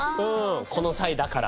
この際だから。